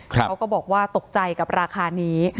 เขาก็บอกว่าตกใจกับราคานี้